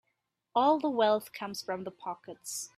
All the wealth comes from the pockets.